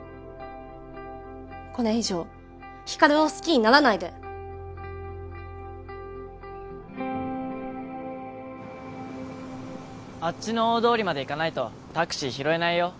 これ以上光琉を好きにならないであっちの大通りまで行かないとタクシー拾えないよ